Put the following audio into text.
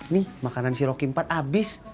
nih makanan si rokimpat abis